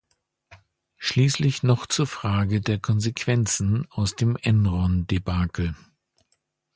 Schließlich noch zur Frage der Konsequenzen aus dem Enron-Debakel.